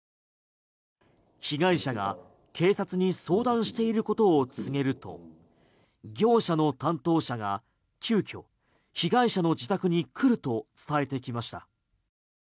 被害者が警察に相談していることを告げると、業者の担当者が急きょ被害者の自宅に来ると伝えてきました。